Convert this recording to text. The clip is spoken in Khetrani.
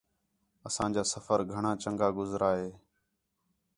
اساں جا سفر گھݨاں چَنڳا گُزریا ہے